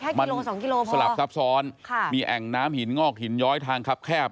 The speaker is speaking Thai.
ไปแค่กิโล๒กิโลพอมันสลับซับซ้อนมีแอ่งน้ำหินงอกหินย้อยทางคับแคบ